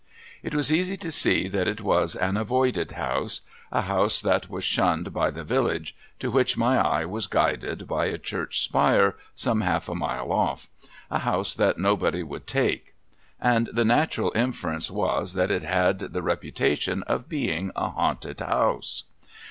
It was easy to see that it was an avoided house — a house that was shunned by the village, to which my eye was guided by a church spire some half a mile off— a house that nobody would take. And the natural inference was, that it had the reputation of being a haunted house.